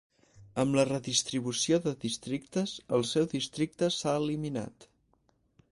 Amb la redistribució de districtes, el seu districte s'ha eliminat.